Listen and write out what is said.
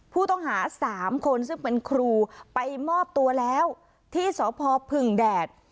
ผู้ต้องหา๓คนซึ่งเป็นครูไปมอบตัวแล้วที่สพพึ่งแดด